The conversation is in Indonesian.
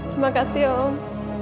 terima kasih om